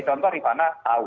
contoh arifana tahu